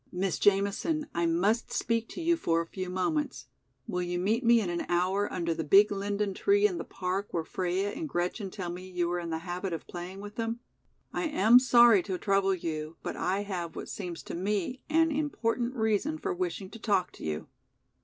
"Miss Jamison, I must speak to you for a few moments. Will you meet me in an hour under the big linden tree in the park where Freia and Gretchen tell me you are in the habit of playing with them? I am sorry to trouble you but I have what seems to me an important reason for wishing to talk to you."